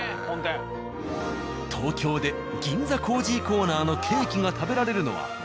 東京で「銀座コージーコーナー」のケーキが食べられるのは。